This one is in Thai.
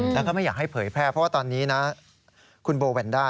แล้วก็ไม่อยากให้เผยแพร่เพราะว่าตอนนี้นะคุณโบแวนด้า